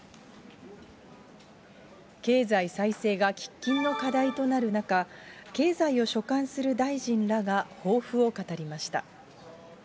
経済再生が喫緊の課題となる中、経済を所管する大臣らが抱負を語りました。